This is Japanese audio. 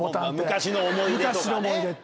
昔の思い出とかね。